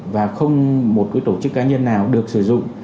và không một cái tổ chức cá nhân nào được sử dụng